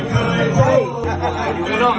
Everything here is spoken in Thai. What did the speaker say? จะอยู่ที่เอง